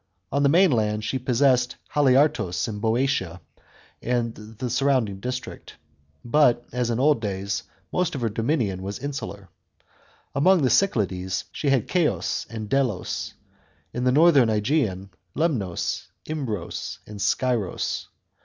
On the mainland, she possessed Haliartos in 6o3otia and the surrounding district ; but, as in old days, most of her dominion was insular. Among the Cyclades, she had Ceos and Delos; in tbe northern ^Egean, Lemnos, Imbros and Scyros.